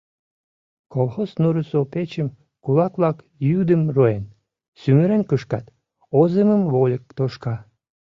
Колхоз нурысо печым кулак-влак йӱдым руэн, сӱмырен кышкат, озымым вольык тошка.